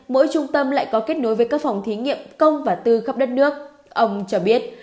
mỗi trung tâm lại có kết nối với các phòng thí nghiệm công và tư khắp đất nước ông cho biết